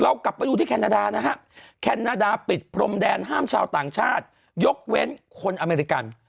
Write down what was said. กลับไปดูที่แคนาดานะฮะแคนาดาปิดพรมแดนห้ามชาวต่างชาติยกเว้นคนอเมริกัน